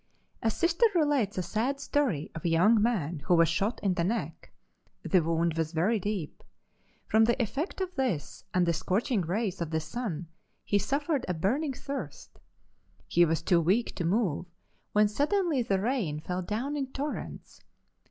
A Sister relates a sad story of a young man who was shot in the neck. The wound was very deep. From the effect of this and the scorching rays of the sun he suffered a burning thirst. He was too weak to move, when suddenly the rain fell down in torrents.